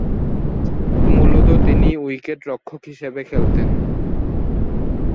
মূলতঃ তিনি উইকেট-রক্ষক হিসেবে খেলতেন।